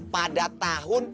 pada tahun dua ribu enam